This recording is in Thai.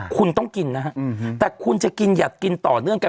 คุณต้องกินนะฮะแต่คุณจะกินหยัดกินต่อเนื่องกัน